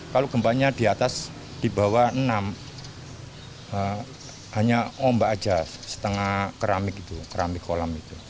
kalau gempanya di atas di bawah enam hanya ombak aja setengah keramik itu keramik kolam itu